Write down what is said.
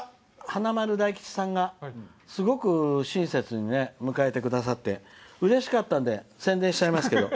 華丸・大吉さんがすごく親切に迎えてくださってうれしかったんで宣伝しちゃいますけど